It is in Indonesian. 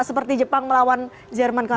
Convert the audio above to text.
seperti jepang melawan jerman